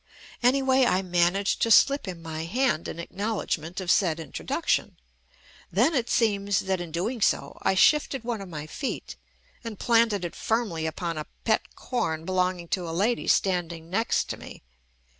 Anyway, I man aged to slip him my hand in acknowledgment of said introduction, then it seems that in doing so I shifted one of my feet and planted it firm ly upon a pet corn belonging to a lady standing next to me.